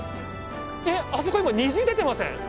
えっあそこ今虹出てません？